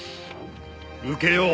受けよう。